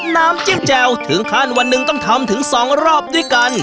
น้ำจิ้มแจ่วถึงขั้นวันหนึ่งต้องทำถึง๒รอบด้วยกัน